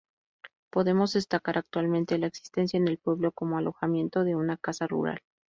Podemos destacar actualmente la existencia en el pueblo como alojamiento de una casa rural.